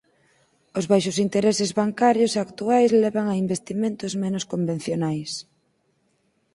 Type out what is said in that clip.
Os baixos intereses bancarios actuais levan a investimentos menos convencionais.